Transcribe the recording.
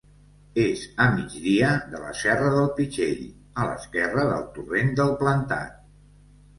És a migdia de la Serra del Pitxell, a l'esquerra del Torrent del Plantat.